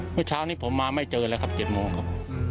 เมื่อเช้านี้ผมมาไม่เจอแล้วครับ๗โมงครับ